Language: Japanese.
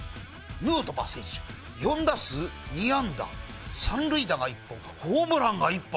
ヌートバー選手、４打数２安打、３塁打が１本、ホームランが１本。